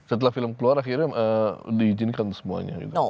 setelah film keluar akhirnya diizinkan semuanya gitu